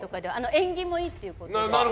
縁起もいいってことで。